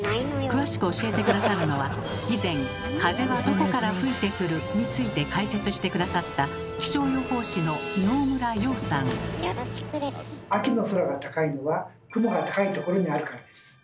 詳しく教えて下さるのは以前「風はどこから吹いてくる？」について解説して下さった秋の空が高いのは雲が高いところにあるからです。